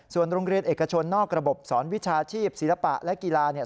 ส่วนโรงเรียนเอกชนนอกระบบสอนวิชาชีพศิลปะและกีฬาเนี่ย